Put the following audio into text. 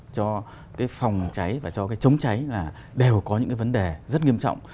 cho phòng cháy và cho chống cháy đều có những vấn đề rất nghiêm trọng